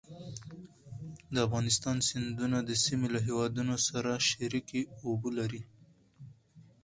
د افغانستان سیندونه د سیمې له هېوادونو سره شریکې اوبه لري.